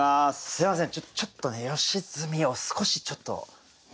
すみません。